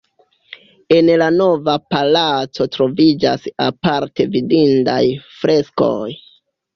En la Nova Palaco troviĝas aparte vidindaj freskoj.